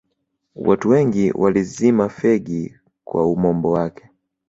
watu wengi walizima fegi kwa umombo wake